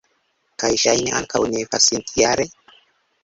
Kaj ŝajne ankaŭ ne pasintjare?